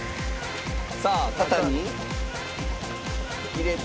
さあ型に入れて。